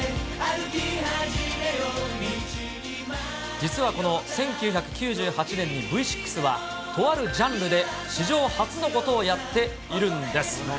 実はこの１９９８年にＶ６はとあるジャンルで史上初のことをやっているんです。